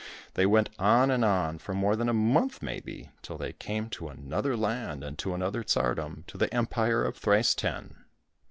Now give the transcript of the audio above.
They went on and on, for more than a month maybe, till they came to another land and to another tsardom, to the Empire of Thrice ten.